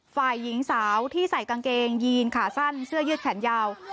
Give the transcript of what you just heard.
ฝ่ายหญิงสาวที่ใส่กางเกงยีนขาสั้นเสื้อยืดแขนยาว